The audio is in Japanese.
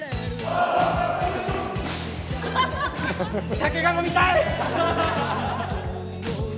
酒が飲みたい！